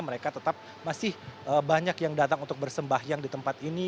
mereka tetap masih banyak yang datang untuk bersembahyang di tempat ini